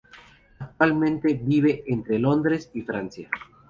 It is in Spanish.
Actualmente vive entre Londres y Francia.